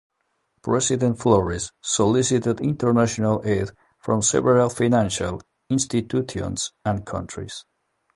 President Flores solicited international aid from several financial institutions and countries.